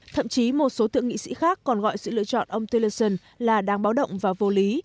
thậm chí một số thượng nghị sĩ khác còn gọi sự lựa chọn ông teleson là đáng báo động và vô lý